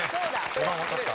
５番分かった。